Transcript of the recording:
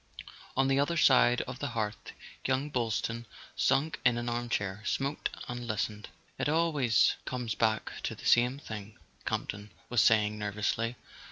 On the other side of the hearth young Boylston, sunk in an armchair, smoked and listened. "It always comes back to the same thing," Camp ton was saying nervously.